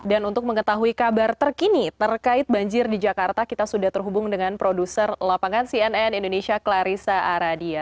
dan untuk mengetahui kabar terkini terkait banjir di jakarta kita sudah terhubung dengan produser lapangan cnn indonesia clarissa aradia